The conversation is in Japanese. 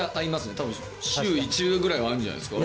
たぶん週１ぐらいは会うんじゃないですか。